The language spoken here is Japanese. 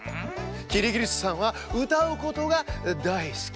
キリギリスさんはうたうことがだいすき。